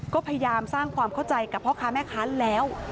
ก็พยายามสร้างความเข้าใจกับพ่อค้าแม่ค้าแล้ว